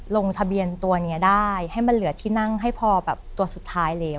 ลงทะเบียนตัวนี้ได้ให้มันเหลือที่นั่งให้พอแบบตัวสุดท้ายแล้ว